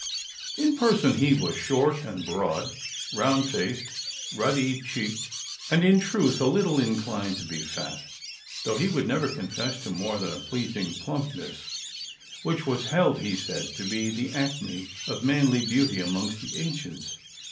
In person he was short and broad, round faced, ruddy cheeked, and in truth a little inclined to be fat, though he would never confess to more than a pleasing plumpness, which was held, he said, to be the acme of manly beauty amongst the ancients.